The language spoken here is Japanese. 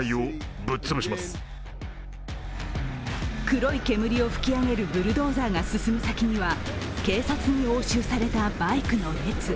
黒い煙を噴き上げるブルドーザーが進む先には警察に押収されたバイクの列。